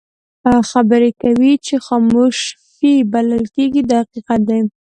خبرې کوي چې خاموشي بلل کېږي دا حقیقت دی.